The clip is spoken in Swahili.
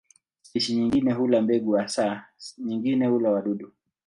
Spishi nyingine hula mbegu hasa, nyingine hula wadudu hasa.